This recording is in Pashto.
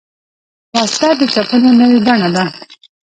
وسله د ټپونو نوې بڼه ده